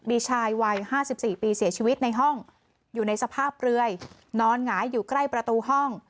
มีชายวัย๕๔ปีเสียชีวิตในห้องอยู่ในสภาพเปลือยนอนหงายอยู่ใกล้ประตูห้อง